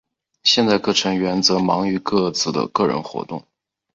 现在各成员则忙于各自的个人活动。